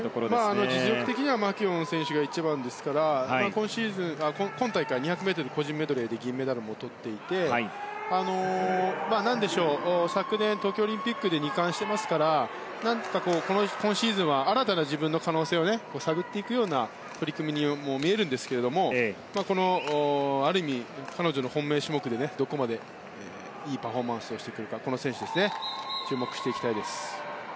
実力的にはマキュオン選手が一番ですから今大会２００ｍ個人メドレーで銀メダルもとっていて昨年、東京オリンピックで２冠してますから何とか、今シーズンは新たな自分の可能性を探っていくような取り組みにも見えるんですがある意味、彼女の本命種目でどこまでいいパフォーマンスをしてくるか注目していきたいです。